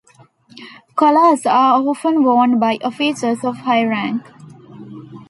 Collars are often worn by officers of high rank.